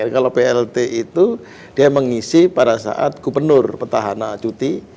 kalau plt itu dia mengisi pada saat gubernur petahana cuti